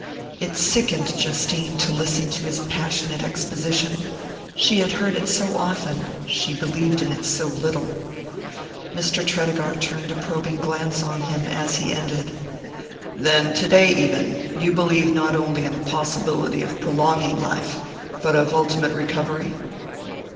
It sickened Justine to listen to his passionate exposition she had heard it so often, she believed in it so little. Mr. Tredegar turned a probing glance on him as he ended. "Then, today even, you believe not only in the possibility of prolonging life, but of ultimate recovery?"